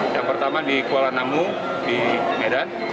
yang pertama di kuala namu di medan